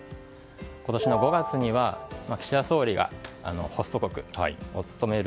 今年の５月には岸田総理がホスト国を務める